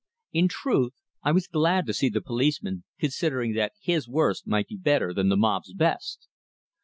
In truth I was glad to see the policeman, considering that his worst might be better than the mob's best.